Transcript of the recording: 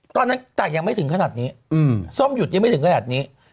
ตอนนั้นแต่ยังไม่ถึงขนาดนี้ส้มหยุดยังไม่ถึงขนาดนี้